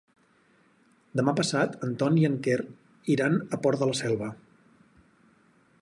Demà passat en Ton i en Quer iran al Port de la Selva.